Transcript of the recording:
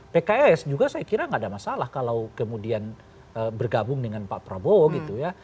pks juga saya kira nggak ada masalah kalau kemudian bergabung dengan pak prabowo gitu ya